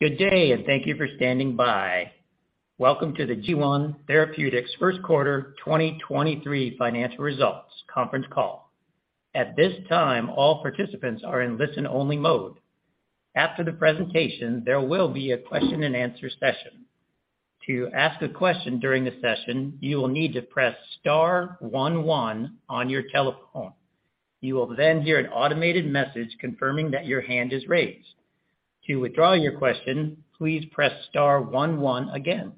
Good day, and thank you for standing by. Welcome to the G1 Therapeutics First Quarter 2023 Financial Results Conference Call. At this time, all participants are in listen-only mode. After the presentation, there will be a Q&A session. To ask a question during the session, you will need to press star one, one on your telephone. You will then hear an automated message confirming that your hand is raised. To withdraw your question, please press star one, one again.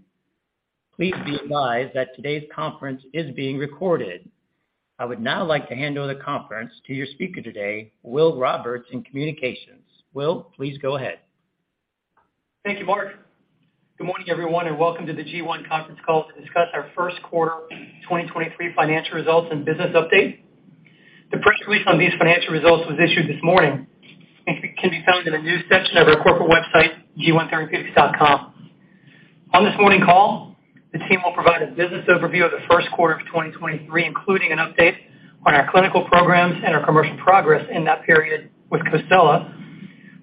Please be advised that today's conference is being recorded. I would now like to hand over the conference to your speaker today, Will Roberts, in communications. Will, please go ahead. Thank you, Mark. Good morning, everyone, and welcome to the G1 conference call to discuss our first quarter 2023 financial results and business update. The press release on these financial results was issued this morning and can be found in the news section of our corporate website, g1therapeutics.com. On this morning call, the team will provide a business overview of the first quarter of 2023, including an update on our clinical programs and our commercial progress in that period with COSELA,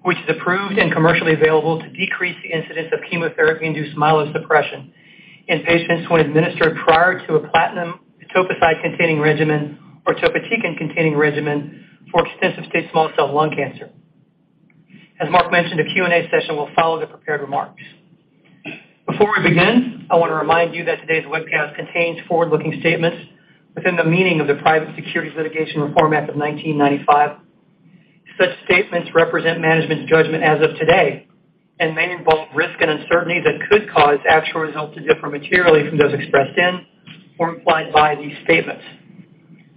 which is approved and commercially available to decrease the incidence of chemotherapy-induced myelosuppression in patients when administered prior to a platinum etoposide-containing regimen or topotecan-containing regimen for extensive-stage small cell lung cancer. As Mark mentioned, a Q&A session will follow the prepared remarks. Before we begin, I want to remind you that today's webcast contains forward-looking statements within the meaning of the Private Securities Litigation Reform Act of 1995. Such statements represent management's judgment as of today and may involve risk and uncertainty that could cause actual results to differ materially from those expressed in or implied by these statements.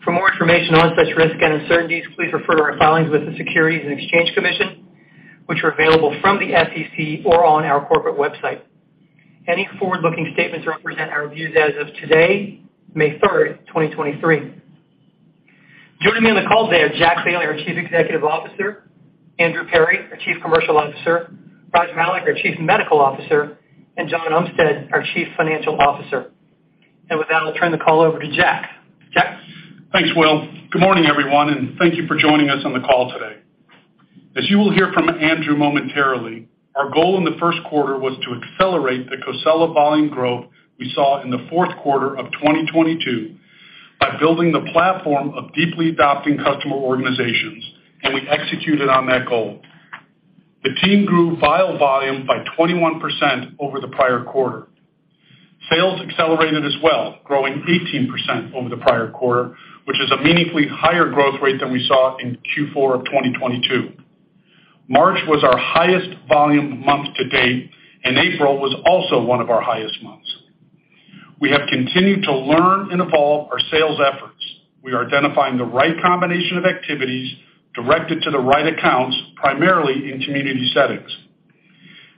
For more information on such risks and uncertainties, please refer to our filings with the Securities and Exchange Commission, which are available from the SEC or on our corporate website. Any forward-looking statements represent our views as of today, May 3rd, 2023. Joining me on the call today are Jack Bailey, our Chief Executive Officer, Andrew Perry, our Chief Commercial Officer, Raj Malik, our Chief Medical Officer, and John Umstead, our Chief Financial Officer. With that, I'll turn the call over to Jack. Jack? Thanks, Will. Good morning, everyone, and thank you for joining us on the call today. As you will hear from Andrew momentarily, our goal in the first quarter was to accelerate the COSELA volume growth we saw in the fourth quarter of 2022 by building the platform of deeply adopting customer organizations. We executed on that goal. The team grew vial volume by 21% over the prior quarter. Sales accelerated as well, growing 18% over the prior quarter, which is a meaningfully higher growth rate than we saw in Q4 of 2022. March was our highest volume month to date. April was also one of our highest months. We have continued to learn and evolve our sales efforts. We are identifying the right combination of activities directed to the right accounts, primarily in community settings.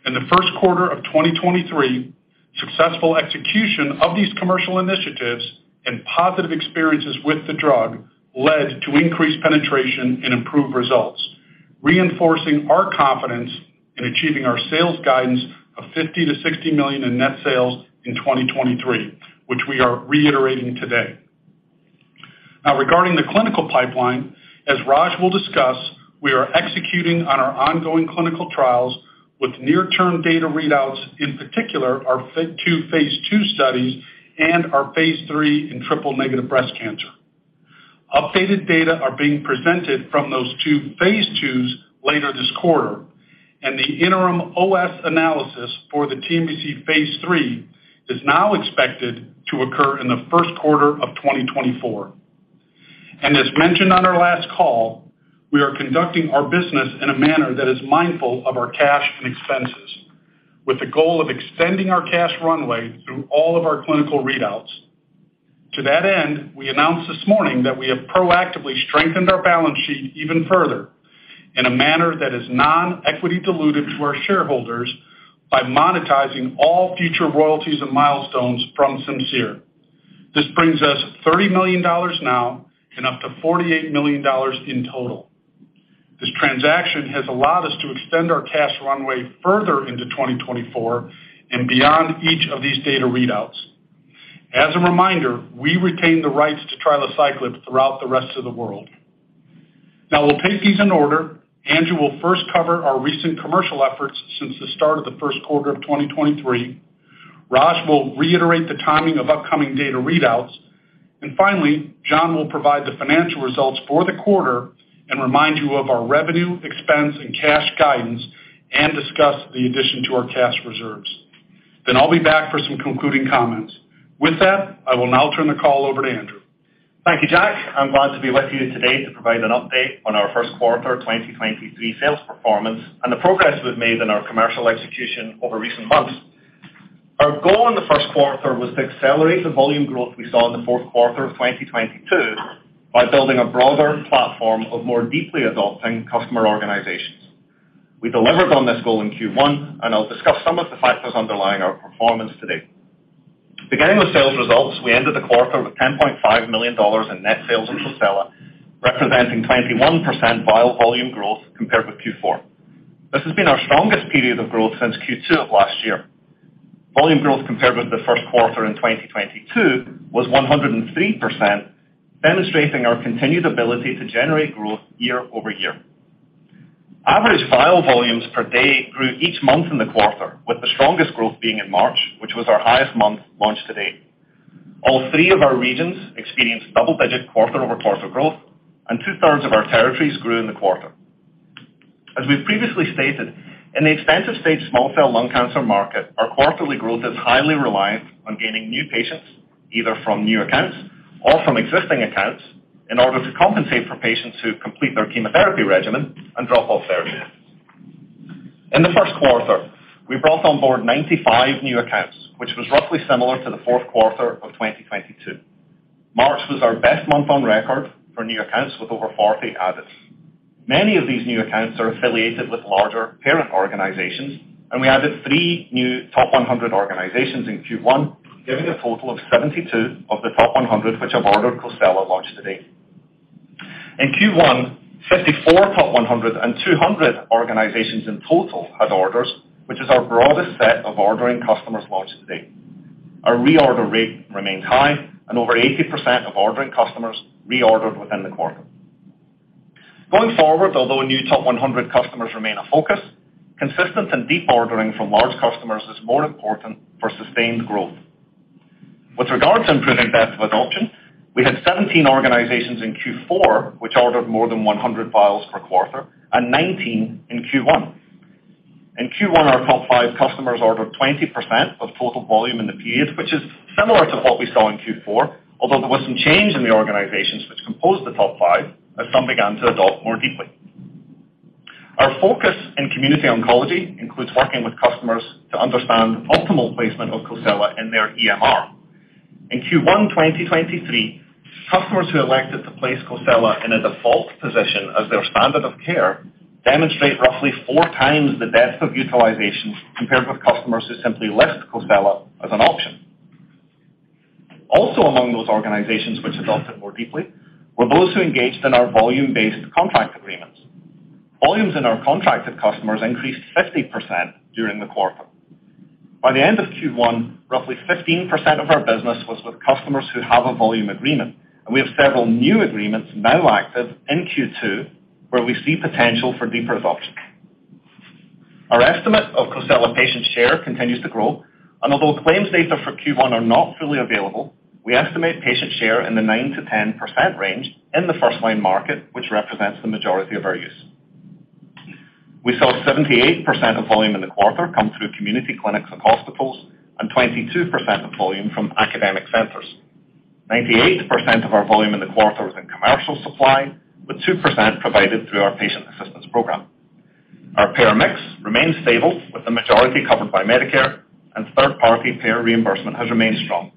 In the first quarter of 2023, successful execution of these commercial initiatives and positive experiences with the drug led to increased penetration and improved results, reinforcing our confidence in achieving our sales guidance of $50 million-$60 million in net sales in 2023, which we are reiterating today. Regarding the clinical pipeline, as Raj will discuss, we are executing on our ongoing clinical trials with near-term data readouts, in particular our phase II studies and our phase III in triple-negative breast cancer. Updated data are being presented from those two phase IIs later this quarter, and the interim OS analysis for the TNBC phase III is now expected to occur in the first quarter of 2024. As mentioned on our last call, we are conducting our business in a manner that is mindful of our cash and expenses, with the goal of extending our cash runway through all of our clinical readouts. To that end, we announced this morning that we have proactively strengthened our balance sheet even further in a manner that is non-equity diluted to our shareholders by monetizing all future royalties and milestones from Simcere. This brings us $30 million now and up to $48 million in total. This transaction has allowed us to extend our cash runway further into 2024 and beyond each of these data readouts. As a reminder, we retain the rights to trilaciclib throughout the rest of the world. We'll take these in order. Andrew will first cover our recent commercial efforts since the start of the first quarter of 2023. Raj will reiterate the timing of upcoming data readouts. Finally, John will provide the financial results for the quarter and remind you of our revenue, expense, and cash guidance and discuss the addition to our cash reserves. I'll be back for some concluding comments. With that, I will now turn the call over to Andrew. Thank you, Jack. I'm glad to be with you today to provide an update on our first quarter 2023 sales performance and the progress we've made in our commercial execution over recent months. Our goal in the first quarter was to accelerate the volume growth we saw in the fourth quarter of 2022 by building a broader platform of more deeply adopting customer organizations. We delivered on this goal in Q1, and I'll discuss some of the factors underlying our performance today. Beginning with sales results, we ended the quarter with $10.5 million in net sales of COSELA, representing 21% vial volume growth compared with Q4. This has been our strongest period of growth since Q2 of last year. Volume growth compared with the first quarter in 2022 was 103%, demonstrating our continued ability to generate growth year-over-year. Average vial volumes per day grew each month in the quarter, with the strongest growth being in March, which was our highest month launched to date. All three of our regions experienced double-digit quarter-over-quarter growth, and 2/3 of our territories grew in the quarter. As we've previously stated, in the extensive stage small cell lung cancer market, our quarterly growth is highly reliant on gaining new patients, either from new accounts or from existing accounts in order to compensate for patients who complete their chemotherapy regimen and drop off therapy. In the first quarter, we brought on board 95 new accounts, which was roughly similar to the fourth quarter of 2022. March was our best month on record for new accounts with over 40 adds. Many of these new accounts are affiliated with larger parent organizations. We added three new top 100 organizations in Q1, giving a total of 72 of the top 100, which have ordered COSELA launched today. In Q1, 54 top 100 and 200 organizations in total had orders, which is our broadest set of ordering customers launched to date. Our reorder rate remains high and over 80% of ordering customers reordered within the quarter. Going forward, although new top 100 customers remain a focus, consistent and deep ordering from large customers is more important for sustained growth. With regards to improving depth of adoption, we had 17 organizations in Q4 which ordered more than 100 vials per quarter and 19 in Q1. In Q1, our top five customers ordered 20% of total volume in the period, which is similar to what we saw in Q4, although there was some change in the organizations which composed the top five as some began to adopt more deeply. Our focus in community oncology includes working with customers to understand optimal placement of COSELA in their EMR. In Q1 2023, customers who elected to place COSELA in a default position as their standard of care demonstrate roughly four times the depth of utilization compared with customers who simply list COSELA as an option. Also among those organizations which adopted more deeply were those who engaged in our volume-based contract agreements. Volumes in our contracted customers increased 50% during the quarter. By the end of Q1, roughly 15% of our business was with customers who have a volume agreement, and we have several new agreements now active in Q2 where we see potential for deeper adoption. Our estimate of COSELA patient share continues to grow, although claims data for Q1 are not fully available, we estimate patient share in the 9%-10% range in the first line market, which represents the majority of our use. We saw 78% of volume in the quarter come through community clinics and hospitals and 22% of volume from academic centers. 98% of our volume in the quarter was in commercial supply, with 2% provided through our patient assistance program. Our payer mix remains stable, with the majority covered by Medicare and third-party payer reimbursement has remained strong.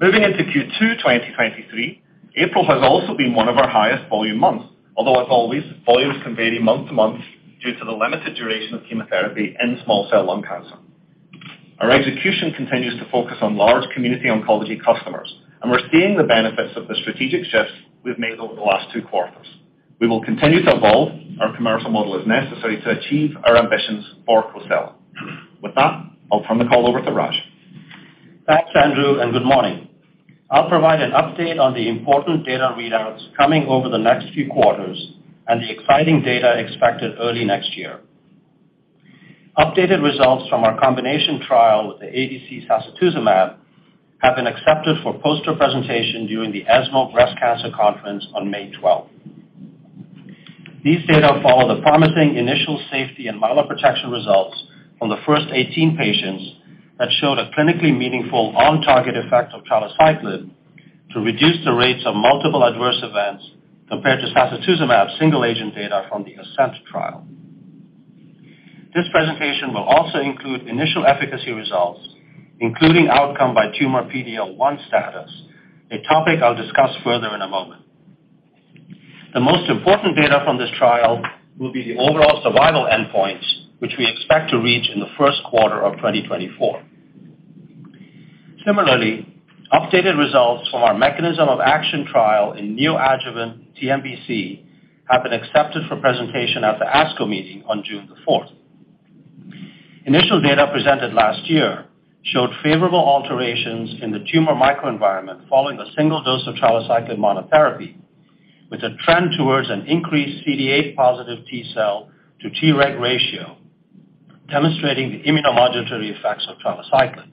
Moving into Q2 2023, April has also been one of our highest volume months, although as always, volumes can vary month to month due to the limited duration of chemotherapy in small cell lung cancer. Our execution continues to focus on large community oncology customers, and we're seeing the benefits of the strategic shifts we've made over the last two quarters. We will continue to evolve our commercial model as necessary to achieve our ambitions for COSELA. With that, I'll turn the call over to Raj. Thanks, Andrew. Good morning. I'll provide an update on the important data readouts coming over the next few quarters and the exciting data expected early next year. Updated results from our combination trial with the ADC sacituzumab have been accepted for poster presentation during the ESMO Breast Cancer Congress on May 12th. These data follow the promising initial safety and myeloprotection results from the first 18 patients that showed a clinically meaningful on-target effect of trilaciclib to reduce the rates of multiple adverse events compared to sacituzumab single-agent data from the ASCENT trial. This presentation will also include initial efficacy results, including outcome by tumor PD-L1 status, a topic I'll discuss further in a moment. The most important data from this trial will be the overall survival endpoints, which we expect to reach in the first quarter of 2024. Similarly, updated results from our mechanism of action trial in neoadjuvant TNBC have been accepted for presentation at the ASCO Meeting on June 4th. Initial data presented last year showed favorable alterations in the tumor microenvironment following a single dose of trilaciclib monotherapy with a trend towards an increased CD8+ T cell to Treg ratio, demonstrating the immunomodulatory effects of trilaciclib.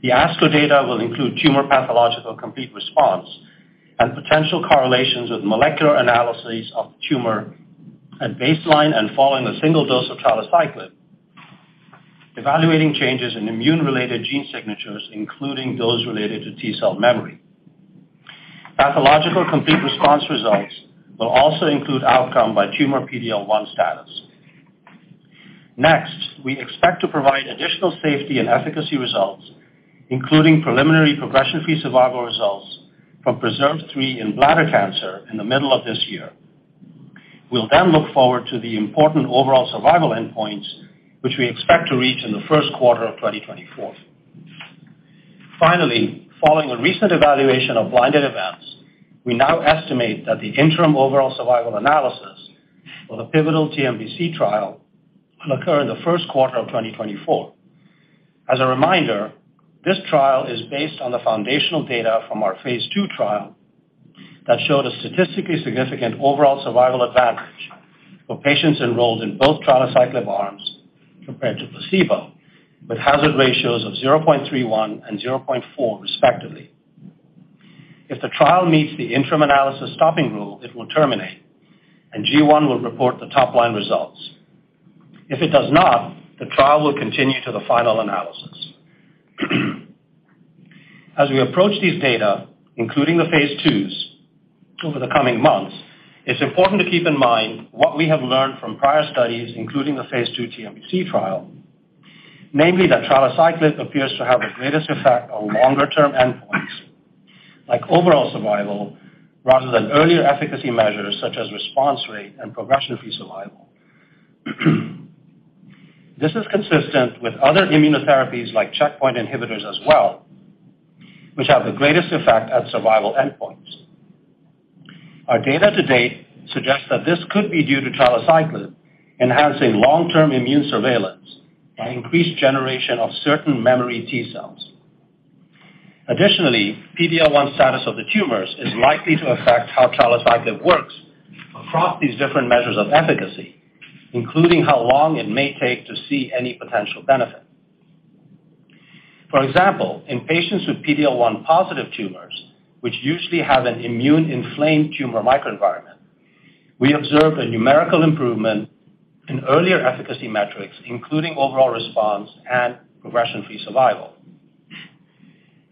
The ASCO data will include tumor pathological complete response and potential correlations with molecular analyses of the tumor at baseline and following a single dose of trilaciclib, evaluating changes in immune-related gene signatures, including those related to T cell memory. Pathological complete response results will also include outcome by tumor PD-L1 status. Next, we expect to provide additional safety and efficacy results, including preliminary progression-free survival results from PRESERVE 3 in bladder cancer in the middle of this year. We'll then look forward to the important overall survival endpoints, which we expect to reach in the first quarter of 2024. Following a recent evaluation of blinded events, we now estimate that the interim overall survival analysis for the pivotal TNBC trial will occur in the first quarter of 2024. As a reminder, this trial is based on the foundational data from our phase II trial that showed a statistically significant overall survival advantage for patients enrolled in both trilaciclib arms compared to placebo, with hazard ratios of 0.31 and 0.4, respectively. If the trial meets the interim analysis stopping rule, it will terminate, and G1 will report the top-line results. If it does not, the trial will continue to the final analysis. As we approach these data, including the phase IIs over the coming months, it's important to keep in mind what we have learned from prior studies, including the phase II TNBC trial, mainly that trilaciclib appears to have the greatest effect on longer-term endpoints like overall survival rather than earlier efficacy measures such as response rate and progression-free survival. This is consistent with other immunotherapies like checkpoint inhibitors as well, which have the greatest effect at survival endpoints. Our data to date suggests that this could be due to trilaciclib enhancing long-term immune surveillance and increased generation of certain memory T cells. Additionally, PD-L1 status of the tumors is likely to affect how trilaciclib works across these different measures of efficacy, including how long it may take to see any potential benefit. For example, in patients with PD-L1 positive tumors, which usually have an immune inflamed tumor microenvironment, we observe a numerical improvement in earlier efficacy metrics, including overall response and progression-free survival.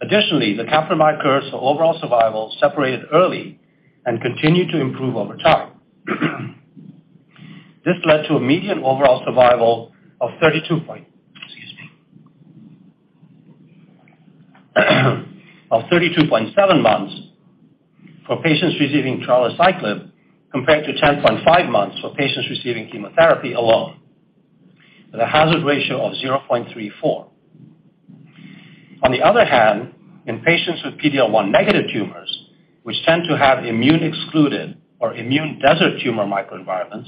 Additionally, the Kaplan-Meier curves for overall survival separated early and continued to improve over time. This led to a median overall survival of 32.7 months for patients receiving trilaciclib compared to 10.5 months for patients receiving chemotherapy alone with a hazard ratio of 0.34. On the other hand, in patients with PD-L1 negative tumors, which tend to have immune excluded or immune desert tumor microenvironments,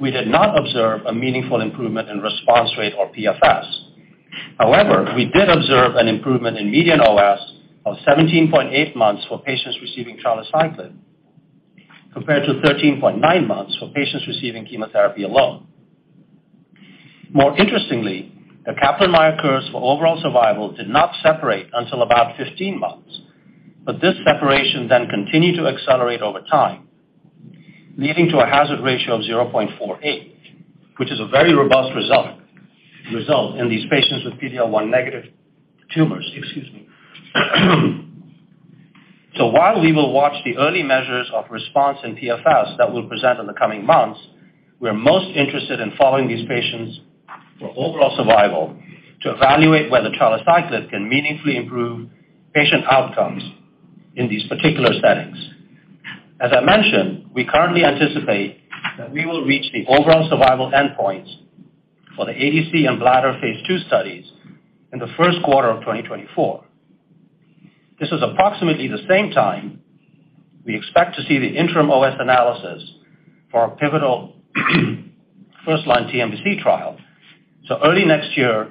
we did not observe a meaningful improvement in response rate or PFS. However, we did observe an improvement in median OS of 17.8 months for patients receiving trilaciclib compared to 13.9 months for patients receiving chemotherapy alone. More interestingly, the Kaplan-Meier curves for overall survival did not separate until about 15 months, but this separation then continued to accelerate over time, leading to a hazard ratio of 0.48, which is a very robust result in these patients with PD-L1 negative tumors. Excuse me. While we will watch the early measures of response in PFS that we'll present in the coming months, we're most interested in following these patients for overall survival to evaluate whether trilaciclib can meaningfully improve patient outcomes in these particular settings. As I mentioned, we currently anticipate that we will reach the overall survival endpoints for the ADC and bladder phase II studies in the first quarter of 2024. This is approximately the same time we expect to see the interim OS analysis for our pivotal first-line TNBC trial. Early next year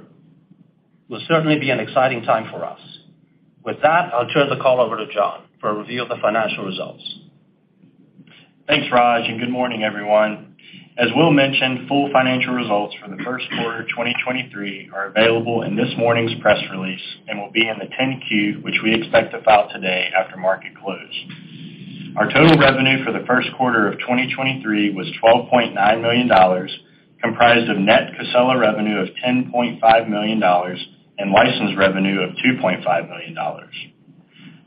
will certainly be an exciting time for us. With that, I'll turn the call over to John for a review of the financial results. Thanks, Raj, good morning, everyone. As Will mentioned, full financial results for the first quarter of 2023 are available in this morning's press release and will be in the 10-Q, which we expect to file today after market close. Our total revenue for the first quarter of 2023 was $12.9 million, comprised of net COSELA revenue of $10.5 million and license revenue of $2.5 million.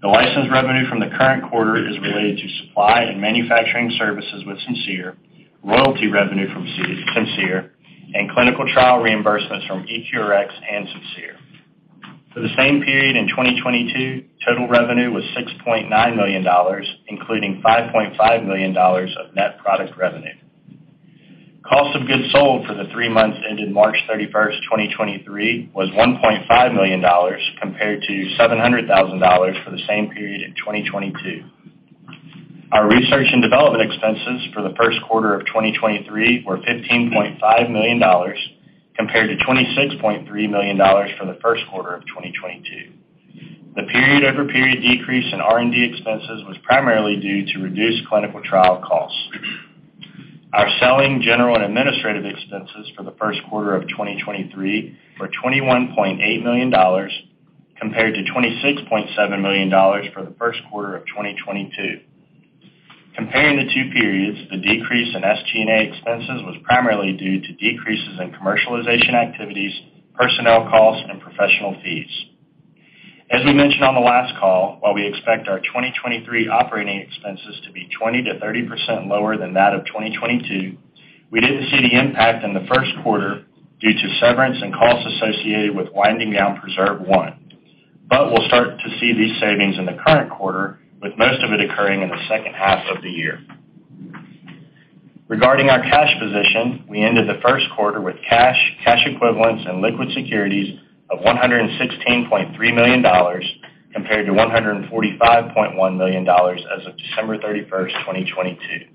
The license revenue from the current quarter is related to supply and manufacturing services with Simcere, royalty revenue from Simcere, and clinical trial reimbursements from EQRx and Simcere. For the same period in 2022, total revenue was $6.9 million, including $5.5 million of net product revenue. Cost of goods sold for the three months ended March 31st, 2023 was $1.5 million compared to $700,000 for the same period in 2022. Our research and development expenses for the first quarter of 2023 were $15.5 million compared to $26.3 million for the first quarter of 2022. The period-over-period decrease in R&D expenses was primarily due to reduced clinical trial costs. Our selling, general, and administrative expenses for the first quarter of 2023 were $21.8 million compared to $26.7 million for the first quarter of 2022. Comparing the two periods, the decrease in SG&A expenses was primarily due to decreases in commercialization activities, personnel costs, and professional fees. As we mentioned on the last call, while we expect our 2023 operating expenses to be 20%-30% lower than that of 2022, we didn't see the impact in the first quarter due to severance and costs associated with winding down PRESERVE 1. We'll start to see these savings in the current quarter, with most of it occurring in the second half of the year. Regarding our cash position, we ended the first quarter with cash equivalents, and liquid securities of $116.3 million compared to $145.1 million as of December 31st, 2022.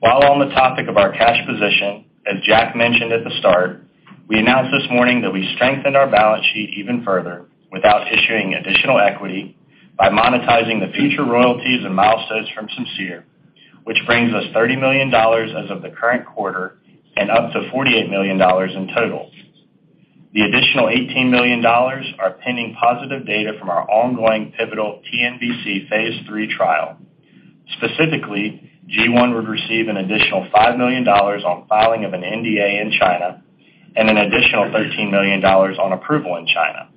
While on the topic of our cash position, as Jack mentioned at the start, we announced this morning that we strengthened our balance sheet even further without issuing additional equity by monetizing the future royalties and milestones from Simcere, which brings us $30 million as of the current quarter and up to $48 million in total. The additional $18 million are pending positive data from our ongoing pivotal TNBC phase III trial. Specifically, G1 would receive an additional $5 million on filing of an NDA in China and an additional $13 million on approval in China.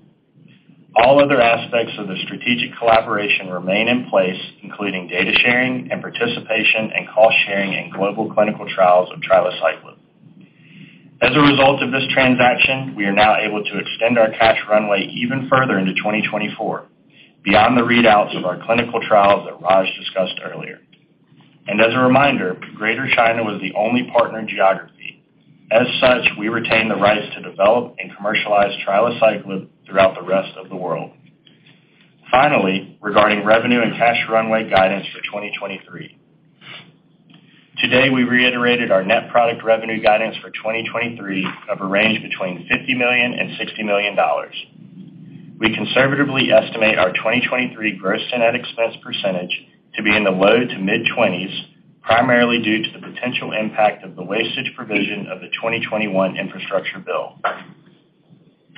All other aspects of the strategic collaboration remain in place, including data sharing and participation and cost sharing in global clinical trials of trilaciclib. As a result of this transaction, we are now able to extend our cash runway even further into 2024, beyond the readouts of our clinical trials that Raj discussed earlier. As a reminder, Greater China was the only partner geography. As such, we retain the rights to develop and commercialize trilaciclib throughout the rest of the world. Regarding revenue and cash runway guidance for 2023. Today, we reiterated our net product revenue guidance for 2023 of a range between $50 million and $60 million. We conservatively estimate our 2023 gross-to-net expense percentage to be in the low to mid-20s, primarily due to the potential impact of the wastage provision of the 2021 Infrastructure Bill.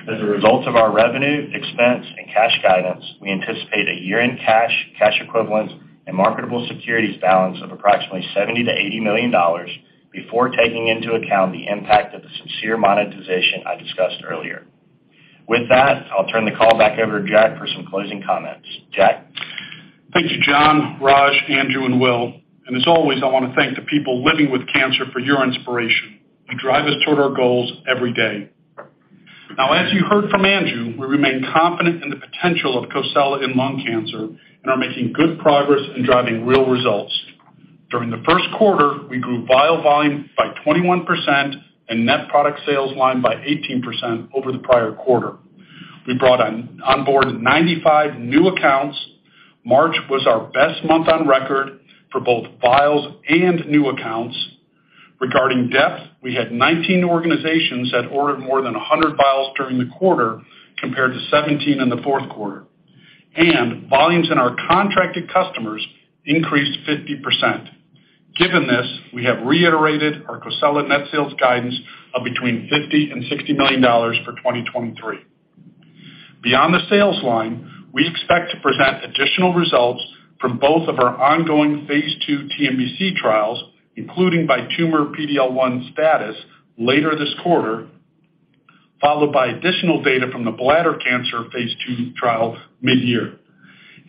As a result of our revenue, expense, and cash guidance, we anticipate a year-end cash equivalents, and marketable securities balance of approximately $70 million-$80 million before taking into account the impact of the Simcere monetization I discussed earlier. With that, I'll turn the call back over to Jack for some closing comments. Jack? Thank you, John, Raj, Andrew and Will. As always, I wanna thank the people living with cancer for your inspiration. You drive us toward our goals every day. As you heard from Anju, we remain confident in the potential of COSELA in lung cancer and are making good progress in driving real results. During the first quarter, we grew vial volume by 21% and net product sales line by 18% over the prior quarter. We brought onboard 95 new accounts. March was our best month on record for both vials and new accounts. Regarding depth, we had 19 organizations that ordered more than 100 vials during the quarter compared to 17 in the fourth quarter, and volumes in our contracted customers increased 50%. Given this, we have reiterated our COSELA net sales guidance of between $50 million-$60 million for 2023. Beyond the sales line, we expect to present additional results from both of our ongoing Phase 2 TNBC trials, including by tumor PD-L1 status later this quarter, followed by additional data from the bladder cancer phase II trial midyear.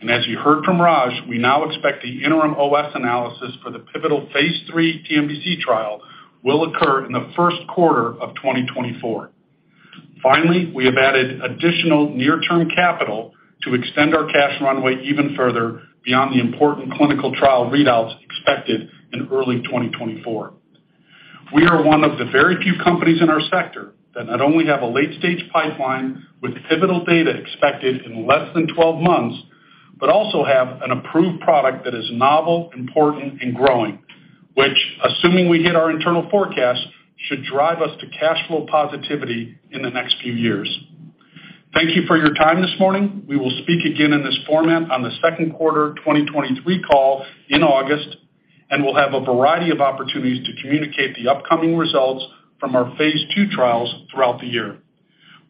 As you heard from Raj, we now expect the interim OS analysis for the pivotal phase III TNBC trial will occur in the first quarter of 2024. We have added additional near-term capital to extend our cash runway even further beyond the important clinical trial readouts expected in early 2024. We are one of the very few companies in our sector that not only have a late-stage pipeline with pivotal data expected in less than 12 months, but also have an approved product that is novel, important, and growing, which, assuming we hit our internal forecast, should drive us to cash flow positivity in the next few years. Thank you for your time this morning. We will speak again in this format on the second quarter of 2023 call in August. We'll have a variety of opportunities to communicate the upcoming results from our phase II trials throughout the year.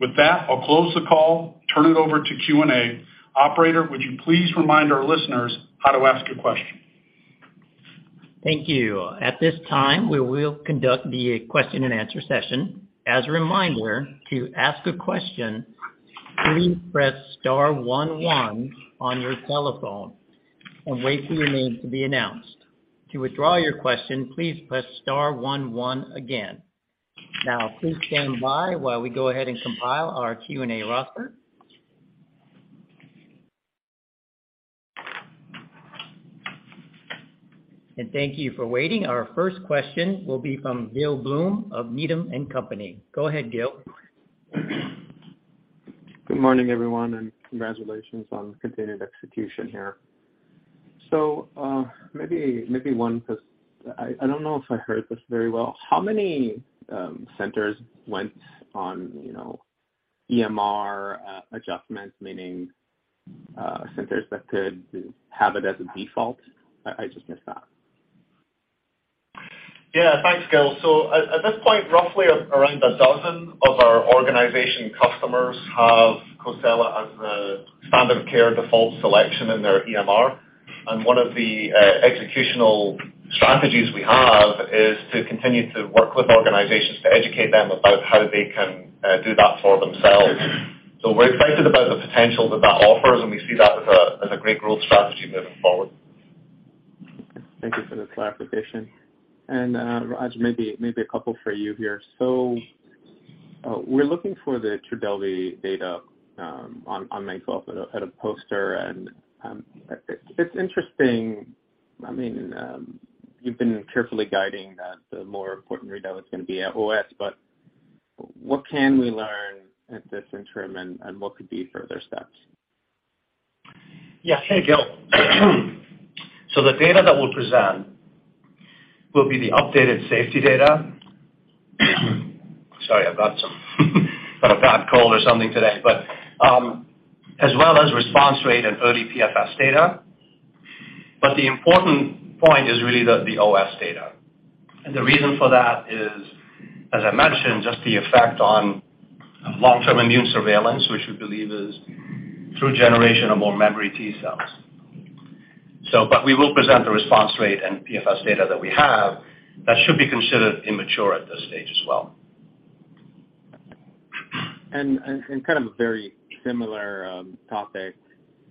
With that, I'll close the call, turn it over to Q&A. Operator, would you please remind our listeners how to ask a question? Thank you. At this time, we will conduct the Q&A session. As a reminder, to ask a question, please press star one one on your telephone and wait for your name to be announced. To withdraw your question, please press star one one again. Now, please stand by while we go ahead and compile our Q&A roster. Thank you for waiting. Our first question will be from Gil Blum of Needham & Company. Go ahead, Gil. Good morning, everyone, and congratulations on the continued execution here. maybe one, because I don't know if I heard this very well. How many centers went on, you know, EMR adjustments, meaning, centers that could have it as a default? I just missed that. Yeah. Thanks, Gil. At this point, roughly around a dozen of our organization customers have COSELA as the standard of care default selection in their EMR. One of the executional strategies we have is to continue to work with organizations to educate them about how they can do that for themselves. We're excited about the potential that that offers, and we see that as a great growth strategy moving forward. Thank you for the clarification. Raj, maybe a couple for you here. We're looking for the Trodelvy data on May twelfth at a poster. It's interesting. I mean, you've been carefully guiding that the more important readout is gonna be at OS, but what can we learn at this interim, and what could be further steps? Yeah. Hey, Gil. The data that we'll present will be the updated safety data. Sorry, I've got a bad cold or something today. As well as response rate and early PFS data. The important point is really the OS data. The reason for that is, as I mentioned, just the effect on long-term immune surveillance, which we believe is through generation of more memory T cells. We will present the response rate and PFS data that we have. That should be considered immature at this stage as well. Kind of a very similar topic,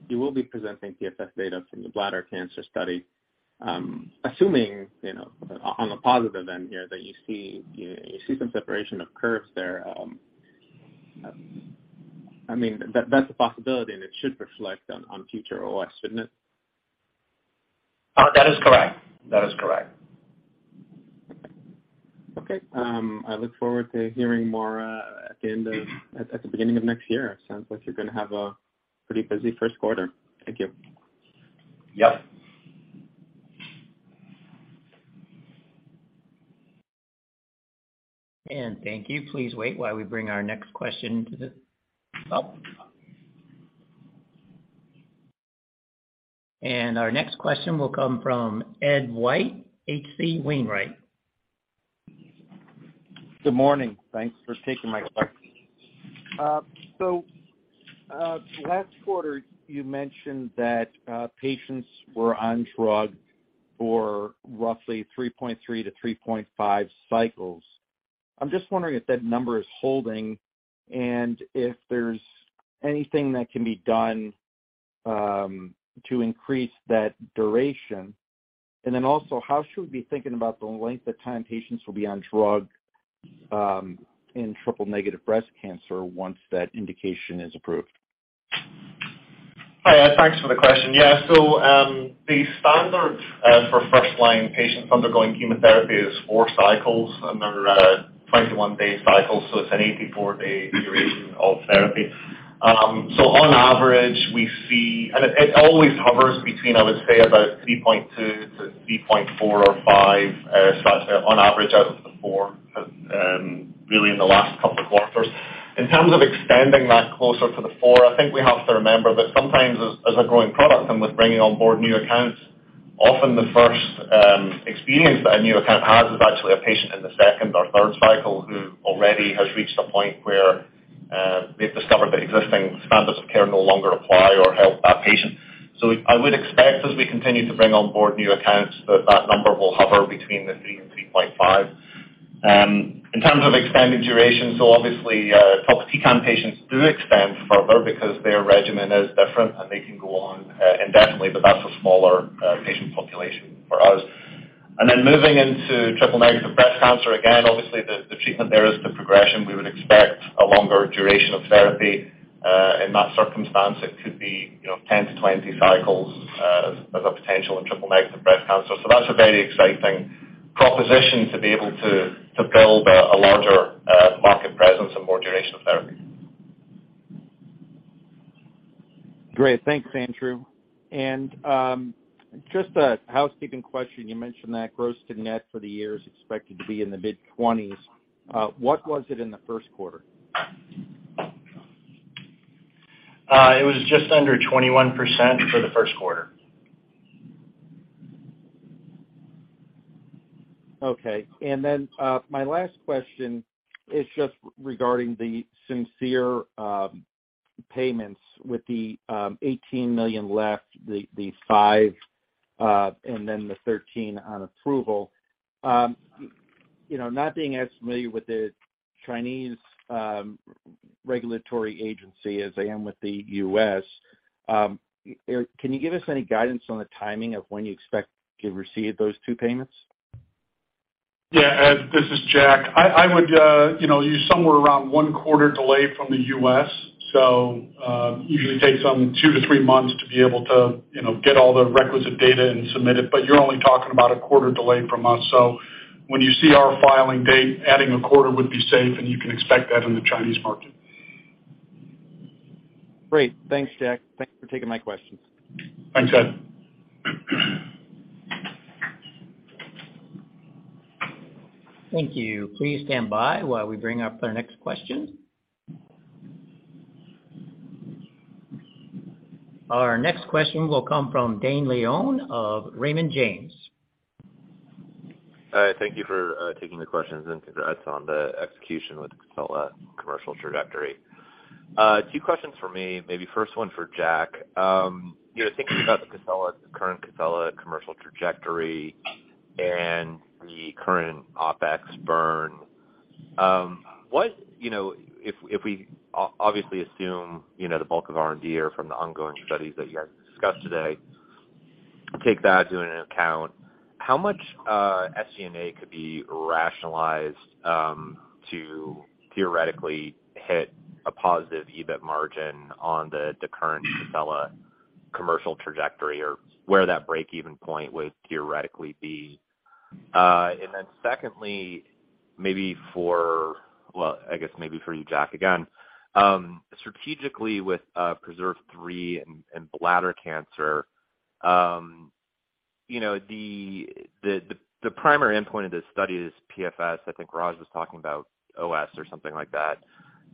you will be presenting PFS data from the bladder cancer study. Assuming, you know, on the positive end here that you see some separation of curves there. That's a possibility, and it should reflect on future OS, shouldn't it? That is correct. That is correct. Okay. I look forward to hearing more at the beginning of next year. It sounds like you're gonna have a pretty busy first quarter. Thank you. Yep. Thank you. Our next question will come from Ed White, H.C. Wainwright. Good morning. Thanks for taking my call. Last quarter, you mentioned that patients were on drug for roughly 3.3-3.5 cycles. I'm just wondering if that number is holding and if there's anything that can be done to increase that duration. Also, how should we be thinking about the length of time patients will be on drug in triple-negative breast cancer once that indication is approved? Hi, Ed. Thanks for the question. Yeah. The standard for 1st line patients undergoing chemotherapy is four cycles and they're 21-day cycles, so it's an 84-day duration of therapy. On average, we see it always hovers between, I would say, about 3.2 -3.4 or 5 cycles there on average out of the four, really in the last couple of quarters. In terms of extending that closer to the four, I think we have to remember that sometimes as a growing product and with bringing on board new accounts, often the 1st experience that a new account has is actually a patient in the second or third cycle who already has reached a point where they've discovered that existing standards of care no longer apply or help that patient. I would expect as we continue to bring on board new accounts that that number will hover between 3 and 3.5. In terms of extended duration, obviously, HER2 patients do extend further because their regimen is different, and they can go on indefinitely, but that's a smaller patient population for us. Then moving into triple-negative breast cancer, again, obviously, the treatment there is to progression. We would expect a longer duration of therapy in that circumstance. It could be, you know, 10-20 cycles as a potential in triple-negative breast cancer. That's a very exciting proposition to be able to build a larger market presence and more duration of therapy. Great. Thanks, Andrew. Just a housekeeping question. You mentioned that gross to net for the year is expected to be in the mid-twenties. What was it in the first quarter? it was just under 21% for the first quarter. Okay. My last question is just regarding the Simcere payments with the $18 million left, the $5 million, and then the $13 million on approval. You know, not being as familiar with the Chinese regulatory agency as I am with the U.S., can you give us any guidance on the timing of when you expect to receive those two payments? Yeah. Ed, this is Jack. I would, you know, use somewhere around one quarter delay from the U.S. Usually takes them two to three months to be able to, you know, get all the requisite data and submit it, but you're only talking about a quarter delay from us. When you see our filing date, adding a quarter would be safe, and you can expect that in the Chinese market. Great. Thanks, Jack. Thanks for taking my questions. Thanks, Ed. Thank you. Please stand by while we bring up our next question. Our next question will come from Dane Leone of Raymond James. Thank you for taking the questions. Congrats on the execution with COSELA commercial trajectory. Two questions from me, maybe first one for Jack. You know, thinking about the COSELA, current COSELA commercial trajectory and the current OpEx burn. You know, if we obviously assume, you know, the bulk of R&D are from the ongoing studies that you guys discussed today Take that into an account. How much SG&A could be rationalized to theoretically hit a positive EBIT margin on the current COSELA commercial trajectory, or where that break-even point would theoretically be? Secondly, Well, I guess maybe for you, Jack, again, strategically with PRESERVE 3 and bladder cancer, you know, the primary endpoint of this study is PFS. I think Raj was talking about OS or something like that.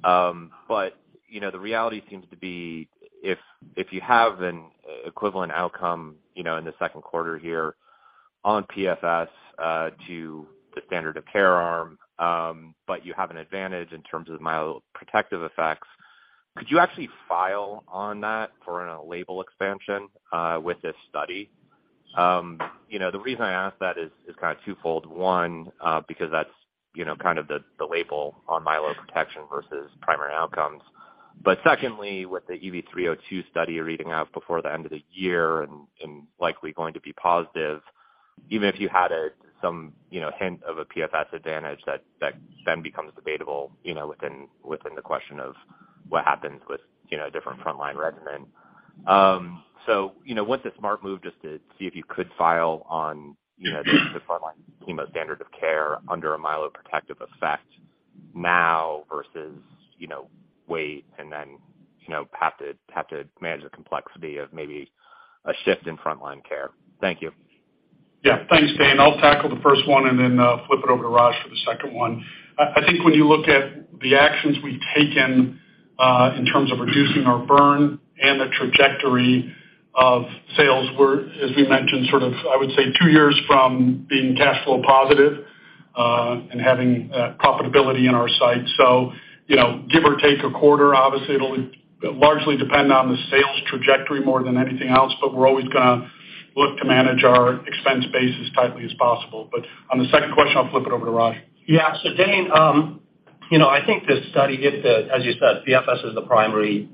But, you know, the reality seems to be if you have an equivalent outcome, you know, in the second quarter here on PFS, to the standard of care arm, but you have an advantage in terms of myeloprotective effects, could you actually file on that for a label expansion with this study? You know, the reason I ask that is kind of twofold. One, because that's, you know, kind of the label on myeloprotection versus primary outcomes. Secondly, with the EV-302 study reading out before the end of the year and likely going to be positive, even if you had some, you know, hint of a PFS advantage that then becomes debatable, you know, within the question of what happens with, you know, different frontline regimen. You know, what's a smart move just to see if you could file on, you know, the frontline chemo standard of care under a myeloprotective effect now versus, you know, wait and then, you know, have to manage the complexity of maybe a shift in frontline care? Thank you. Yeah. Thanks, Dane. I'll tackle the first one and then flip it over to Raj for the second one. I think when you look at the actions we've taken in terms of reducing our burn and the trajectory of sales, we're, as we mentioned, sort of, I would say, two years from being cash flow positive and having profitability in our sights. You know, give or take a quarter. Obviously, it'll largely depend on the sales trajectory more than anything else, but we're always gonna look to manage our expense base as tightly as possible. On the second question, I'll flip it over to Raj. Yeah. Dane, you know, I think this study, as you said, PFS is the primary.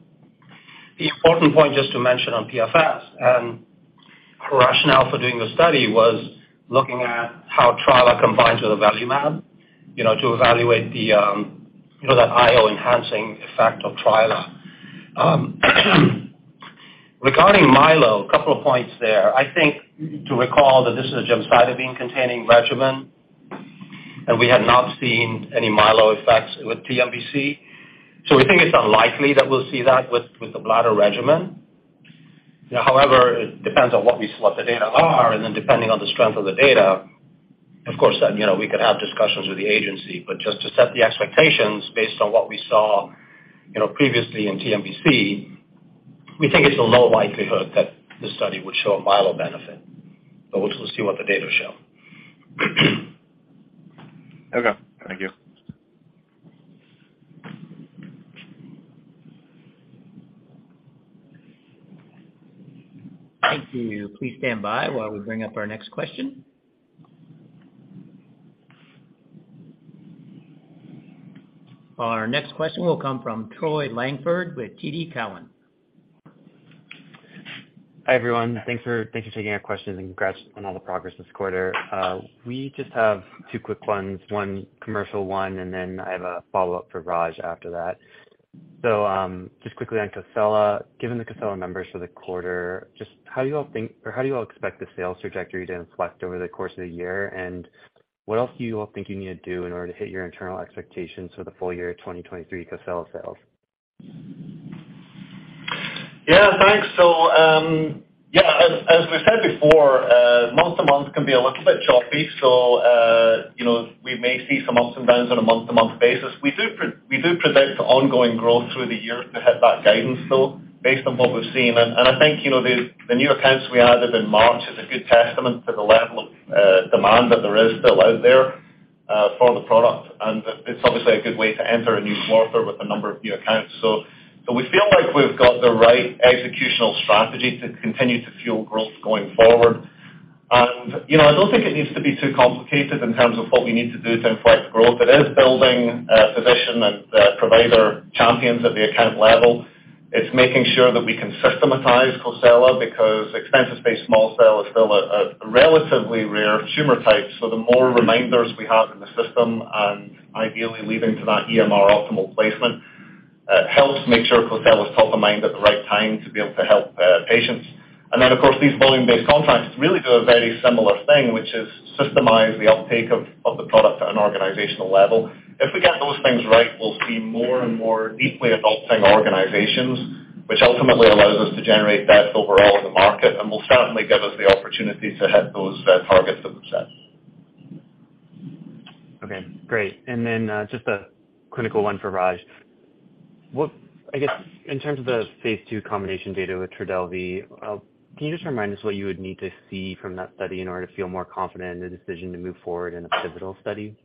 The important point just to mention on PFS and rationale for doing the study was looking at how trilaciclib combines with avelumab, you know, to evaluate the, you know, the IO enhancing effect of trilaciclib. Regarding myelo, a couple of points there. I think to recall that this is a gemcitabine containing regimen. We have not seen any myelo effects with TNBC. We think it's unlikely that we'll see that with the bladder regimen. However, it depends on what we select the data are, depending on the strength of the data, of course, you know, we could have discussions with the agency. Just to set the expectations based on what we saw, you know, previously in TNBC, we think it's a low likelihood that the study would show a myelo benefit, but we'll still see what the data show. Okay, thank you. Thank you. Please stand by while we bring up our next question. Our next question will come from Troy Langford with TD Cowen. Hi, everyone. Thank you for taking our questions, and congrats on all the progress this quarter. We just have two quick ones, one commercial one, and then I have a follow-up for Raj after that. Just quickly on COSELA. Given the COSELA numbers for the quarter, just how do you all think or how do you all expect the sales trajectory to inflect over the course of the year? What else do you all think you need to do in order to hit your internal expectations for the full year 2023 COSELA sales? Yeah, thanks. As we said before, month-to-month can be a little bit choppy. You know, we may see some ups and downs on a month-to-month basis. We do predict ongoing growth through the year to hit that guidance, though, based on what we've seen. I think, you know, the new accounts we added in March is a good testament to the level of demand that there is still out there for the product. It's obviously a good way to enter a new quarter with a number of new accounts. We feel like we've got the right executional strategy to continue to fuel growth going forward. You know, I don't think it needs to be too complicated in terms of what we need to do to inflect growth. It is building physician and provider champions at the account level. It's making sure that we can systematize COSELA because extensive space small cell is still a relatively rare tumor type. The more reminders we have in the system and ideally leading to that EMR optimal placement helps make sure COSELA is top of mind at the right time to be able to help patients. Of course, these volume-based contracts really do a very similar thing, which is systemize the uptake of the product at an organizational level. If we get those things right, we'll see more and more deeply adopting organizations, which ultimately allows us to generate depth overall in the market and will certainly give us the opportunity to hit those targets that we've set. Okay, great. Just a clinical one for Raj. I guess in terms of the phase II combination data with Trodelvy, can you just remind us what you would need to see from that study in order to feel more confident in the decision to move forward in a pivotal study?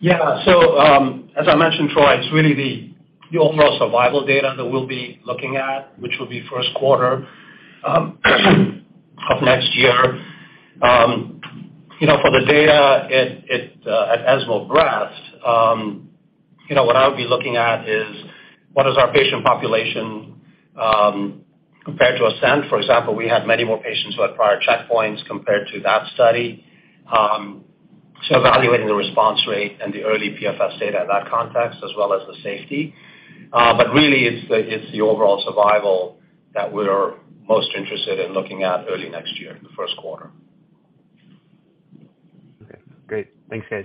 Yeah. As I mentioned, Troy, it's really the overall survival data that we'll be looking at, which will be first quarter of next year. You know, for the data at ESMO breast, you know, what I'll be looking at is what is our patient population compared to ASCENT. For example, we had many more patients who had prior checkpoints compared to that study. Evaluating the response rate and the early PFS data in that context as well as the safety. Really it's the overall survival that we're most interested in looking at early next year in the first quarter. Okay, great. Thanks, guys.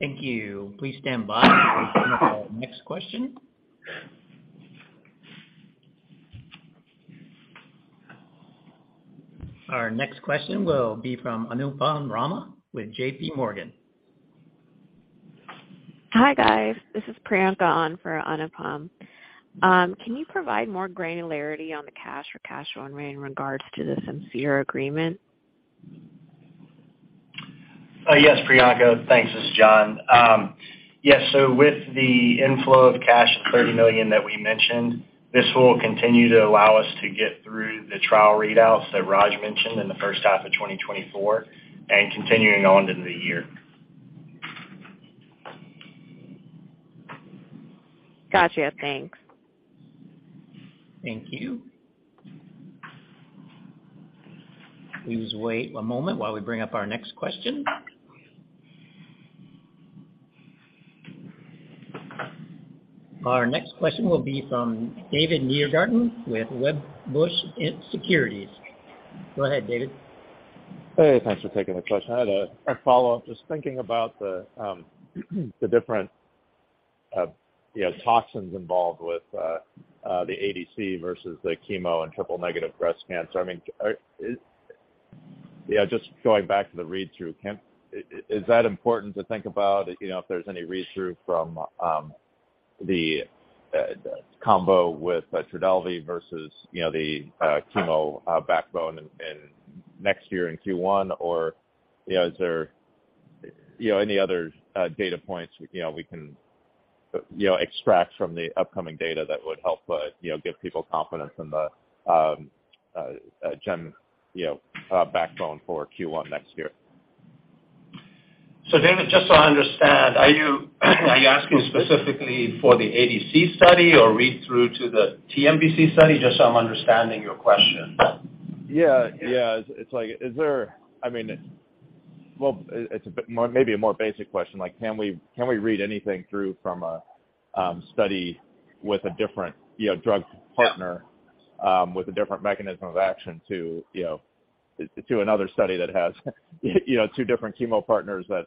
Thank you. Please stand by for our next question. Our next question will be from Anupam Rama with JP Morgan. Hi, guys. This is Priyanka on for Anupam. Can you provide more granularity on the cash or cash flow in regards to the Simcere agreement? Yes, Priyanka. Thanks. This is John. Yes. With the inflow of cash, the $30 million that we mentioned, this will continue to allow us to get through the trial readouts that Raj mentioned in the first half of 2024 and continuing on into the year. Gotcha. Thanks. Thank you. Please wait a moment while we bring up our next question. Our next question will be from David Nierengarten with Wedbush Securities. Go ahead, David. Hey, thanks for taking the question. I had a follow-up. Just thinking about the different, you know, toxins involved with the ADC versus the chemo and triple-negative breast cancer. I mean, yeah, just going back to the read-through, is that important to think about, you know, if there's any read-through from the combo with Trodelvy versus, you know, the chemo backbone in next year in Q1? You know, is there, you know, any other data points, you know, we can, you know, extract from the upcoming data that would help, you know, give people confidence in the gem, you know, backbone for Q1 next year? David, just so I understand, are you asking specifically for the ADC study or read through to the TNBC study? Just so I'm understanding your question. Yeah. Yeah. It's like, is there... I mean, well, it's a bit more maybe a more basic question, like, can we, can we read anything through from a study with a different, you know, drug partner, with a different mechanism of action to, you know, to another study that has, you know, two different chemo partners that,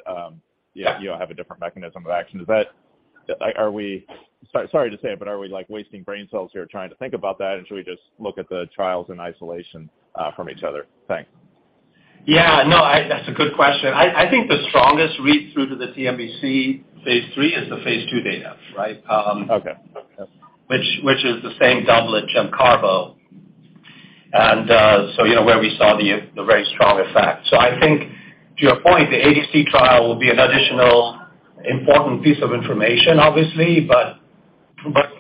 you know, have a different mechanism of action? Is that... Are we... Sorry to say it, but are we, like, wasting brain cells here trying to think about that? Should we just look at the trials in isolation from each other? Thanks. That's a good question. I think the strongest read-through to the TNBC phase III is the phase II data, right? Okay. Which is the same doublet GemCarbo. You know, where we saw the very strong effect. I think to your point, the ADC trial will be an additional important piece of information, obviously.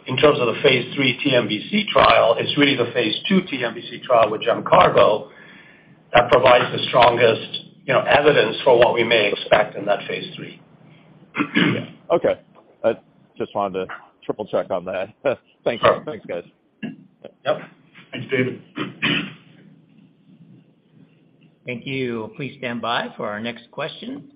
In terms of the phase III TNBC trial, it's really the phase II TNBC trial with GemCarbo that provides the strongest, you know, evidence for what we may expect in that phase III. Okay. I just wanted to triple-check on that. Thank you. Thanks, guys. Yep. Thanks, David. Thank you. Please stand by for our next question.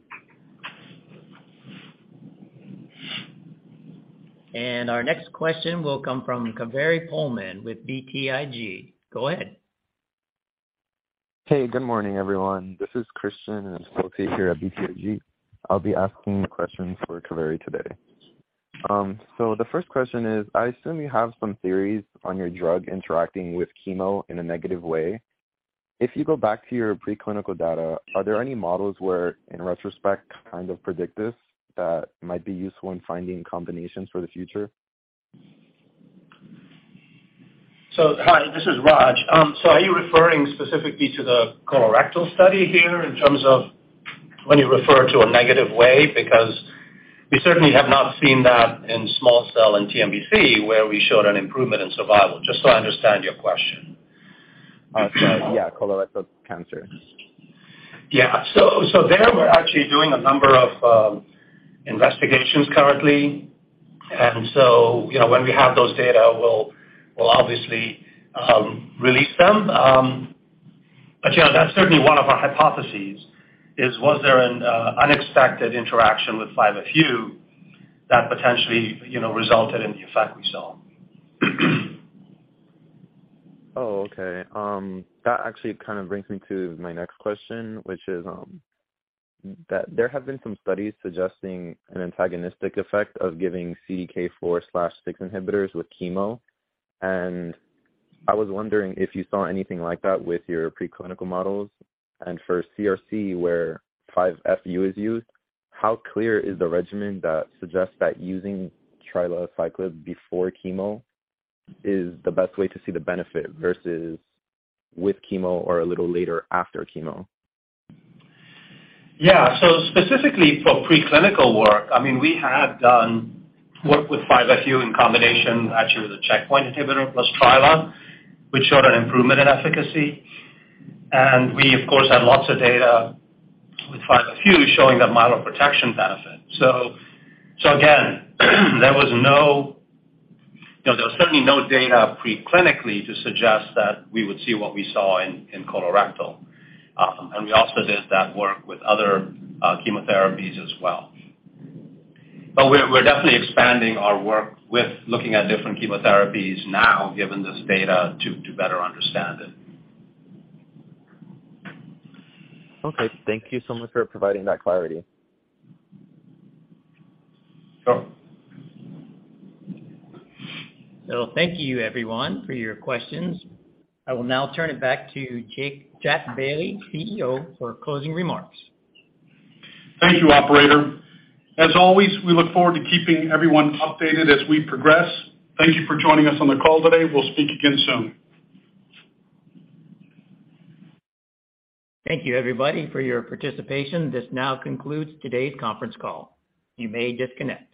Our next question will come from Kaveri Pohlman with BTIG. Go ahead. Hey, good morning, everyone. This is Christian, an associate here at BTIG. I'll be asking the question for Kaveri today. The first question is, I assume you have some theories on your drug interacting with chemo in a negative way. If you go back to your preclinical data, are there any models where, in retrospect, kind of predict this that might be useful in finding combinations for the future? Hi, this is Raj. Are you referring specifically to the colorectal study here in terms of when you refer to a negative way? We certainly have not seen that in small cell and TNBC, where we showed an improvement in survival, just so I understand your question. Yeah, colorectal cancer. Yeah. There we're actually doing a number of investigations currently. You know, when we have those data, we'll obviously release them. You know, that's certainly one of our hypotheses is was there an unexpected interaction with 5-FU that potentially, you know, resulted in the effect we saw? Oh, okay. That actually kind of brings me to my next question, which is, that there have been some studies suggesting an antagonistic effect of giving CDK4/6 inhibitors with chemo, and I was wondering if you saw anything like that with your preclinical models. For CRC, where 5-FU is used, how clear is the regimen that suggests that using trilaciclib before chemo is the best way to see the benefit versus with chemo or a little later after chemo? Yeah. Specifically for preclinical work, I mean, we had done work with 5-FU in combination actually with a checkpoint inhibitor plus trila, which showed an improvement in efficacy. We, of course, had lots of data with 5-FU showing that mild protection benefit. Again, there was no... You know, there was certainly no data preclinically to suggest that we would see what we saw in colorectal. And we also did that work with other chemotherapies as well. We're definitely expanding our work with looking at different chemotherapies now, given this data, to better understand it. Okay. Thank you so much for providing that clarity. Sure. thank you everyone for your questions. I will now turn it back to Jack Bailey, CEO, for closing remarks. Thank you, operator. As always, we look forward to keeping everyone updated as we progress. Thank you for joining us on the call today. We'll speak again soon. Thank you everybody for your participation. This now concludes today's conference call. You may disconnect.